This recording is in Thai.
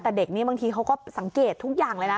แต่เด็กนี้บางทีเขาก็สังเกตทุกอย่างเลยนะ